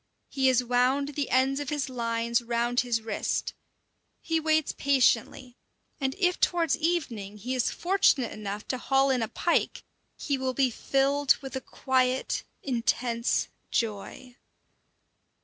He has wound the ends of his lines round his wrist; he waits patiently, and if towards evening he is fortunate enough to haul in a pike, he will be filled with a quiet, intense joy.